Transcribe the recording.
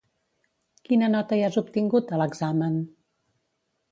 Quina nota hi has obtingut, a l'examen?